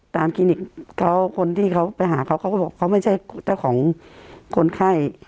คลินิกเขาคนที่เขาไปหาเขาเขาก็บอกเขาไม่ใช่เจ้าของคนไข้